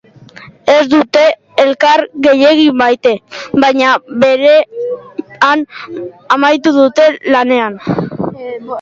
Ez dute elkar gehiegi maite, baina berean amaitu dute lanean.